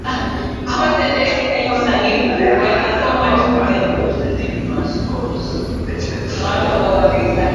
There are a number of other frescoes in the church.